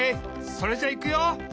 それじゃいくよ！